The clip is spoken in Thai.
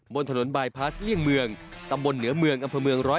บนถนนบายพลาสเลี่ยงเมืองตำบลเหนือเมืองอำเภอเมือง๑๐